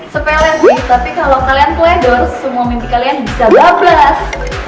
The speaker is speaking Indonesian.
sepele sih tapi kalo kalian pledor semua minti kalian bisa bablas